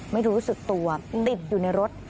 ไม่รู้สึกตัวติดอยู่ในรถ